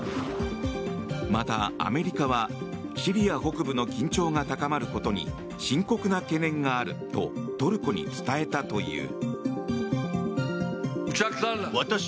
また、アメリカはシリア北部の緊張が高まることに深刻な懸念があるとトルコに伝えたという。